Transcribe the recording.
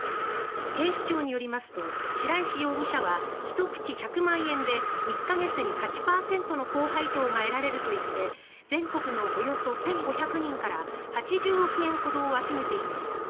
警視庁によりますと白石容疑者は１口１００万円で１か月に８％の高配当が得られると言って全国のおよそ１５００人から８０億円ほどを集めていました。